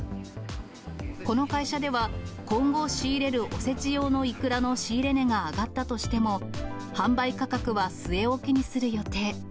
この会社では、今後仕入れるおせち用のイクラの仕入れ値が上がったとしても、販売価格は据え置きにする予定。